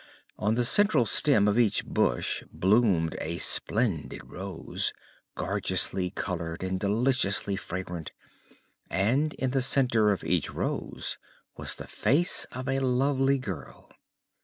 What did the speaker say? On the central stem of each bush bloomed a splendid Rose, gorgeously colored and deliciously fragrant, and in the center of each Rose was the face of a lovely girl.